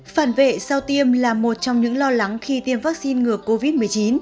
phản vệ sau tiêm là một trong những lo lắng khi tiêm vaccine ngừa covid một mươi chín